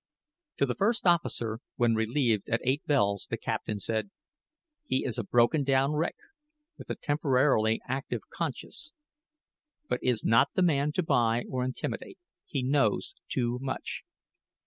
To the first officer, when relieved at eight bells, the captain said: "He is a broken down wreck with a temporarily active conscience; but is not the man to buy or intimidate: he knows too much.